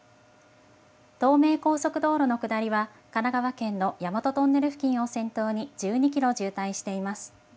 東名高速道路の下りは、神奈川県の大和トンネル付近を先頭に１２キロ渋滞しています。